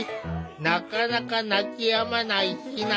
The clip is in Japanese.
なかなか泣きやまないひなちゃん。